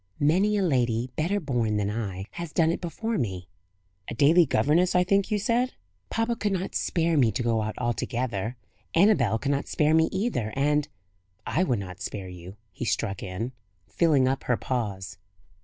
Many a lady, better born than I, has done it before me." "A daily governess, I think you said?" "Papa could not spare me to go out altogether; Annabel could not spare me either; and " "I would not spare you," he struck in, filling up her pause.